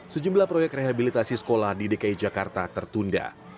sejumlah proyek rehabilitasi sekolah di dki jakarta tertunda